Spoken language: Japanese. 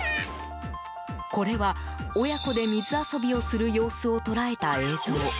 これは、親子で水遊びをする様子を捉えた映像。